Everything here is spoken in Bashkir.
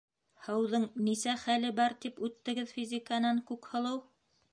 Һыуҙың нисә хәле бар тип үттегеҙ физиканан, Күкһылыу?